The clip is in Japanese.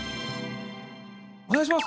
◆お願いします。